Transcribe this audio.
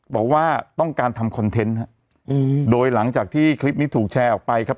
บอกว่าต้องการทำคอนเทนต์ฮะอืมโดยหลังจากที่คลิปนี้ถูกแชร์ออกไปครับ